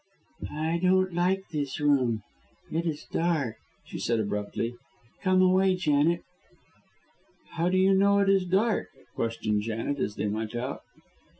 "I don't like this room, it is dark," she said abruptly. "Come away, Janet." "How do you know it is dark?" questioned Janet, as they went out.